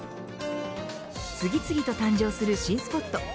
次々と誕生する新スポット。